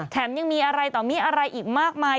ยังมีอะไรต่อมีอะไรอีกมากมาย